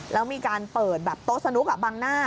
แล้วมีการเปิดแบบโต๊ะสนุกบังหน้า